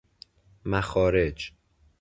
مخارج